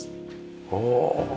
おお。